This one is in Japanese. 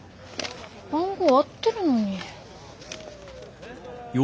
番号合ってるのに。